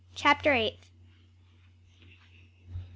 CHAPTER EIGHTH.